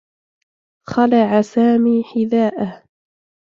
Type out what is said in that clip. خلع سامي حذاءه.